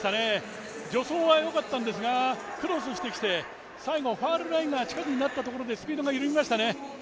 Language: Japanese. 助走はよかったんですがクロスしてきて最後はファウルラインが近くになったことでスピードが緩みましたね。